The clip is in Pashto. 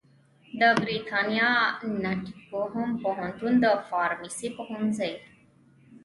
د برېتانیا ناټینګهم پوهنتون د فارمیسي پوهنځي